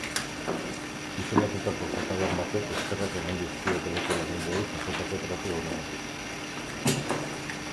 Isolatutako katalan batek eskerrak eman dizkie hoteleko langileei jasotako tratu onagatik.